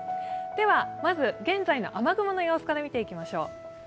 まず、現在の雨雲の様子から見ていきましょう。